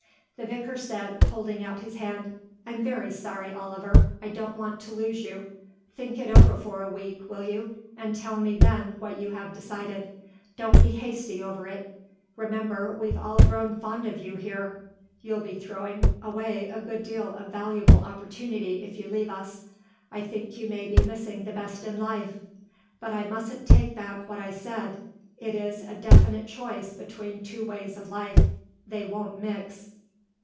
The vicar said, holding out his hand, "I'm very sorry, Oliver. I don't want to lose you. Think it over for a week, will you, and tell me then what you have decided. Don't be hasty over it. Remember, we've all grown fond of you here; you'll be throwing away a good deal of valuable opportunity if you leave us. I think you may be missing the best in life. But I mustn't take back what I said. It is a definite choice between two ways of life. They won't mix."